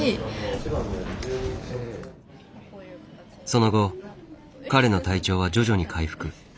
その後彼の体調は徐々に回復。